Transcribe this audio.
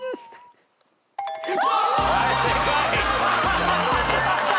はい正解。